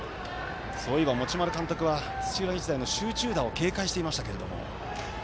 そういえば持丸監督は土浦日大の集中打を警戒していましたけれども。